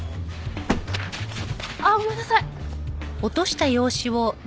ああごめんなさい。